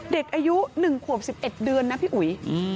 เด็กอายุ๑ขวบ๑๑เดือนนะพี่อุ๋ย